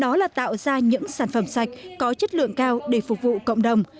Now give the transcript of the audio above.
đó là tạo ra những sản phẩm sạch có chất lượng cao để phục vụ cộng đồng